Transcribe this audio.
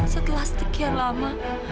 setelah setekian lama